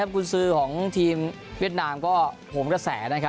คุณซื้อของทีมเวียดนามก็โหมกระแส